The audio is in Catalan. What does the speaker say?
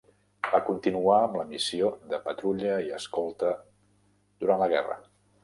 Va continuar amb la missió de patrulla i escolta durant la guerra.